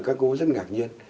các cô rất ngạc nhiên